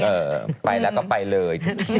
เออไปแล้วก็ไปเลย